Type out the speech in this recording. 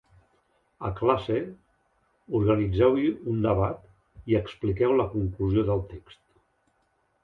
A classe, organitzeu-hi un debat i expliqueu la conclusió del text.